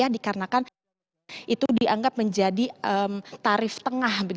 dikarenakan itu dianggap menjadi tarif tengah